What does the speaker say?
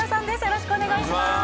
よろしくお願いします